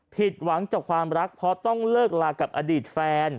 ผิดหวังจากความรักเพราะต้องเลิกลากับอดีตแฟน